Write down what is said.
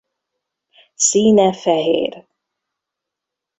Színe fehér.